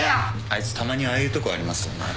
あいつたまにああいうとこありますよね。